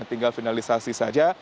tinggal finalisasi saja